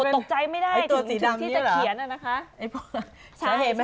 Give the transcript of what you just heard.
ตกใจไม่ได้ถึงที่จะเขียนนะคะ